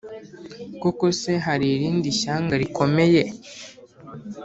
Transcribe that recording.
Koko se, hari irindi shyanga rikomeye